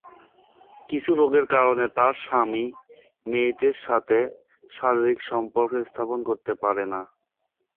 কিছু রোগের কারণে তার স্বামী মেয়েটির সাথে শারীরিক সম্পর্ক স্থাপন করতে পারে না।